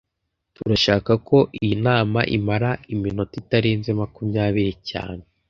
Turashaka ko iyi nama imara iminota itarenze makumyabiri cyane